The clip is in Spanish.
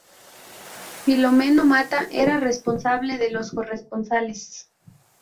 Filomeno Mata era responsable de los corresponsales.